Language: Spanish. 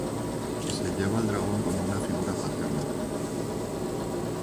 Y se lleva al dragón como una figura paterna.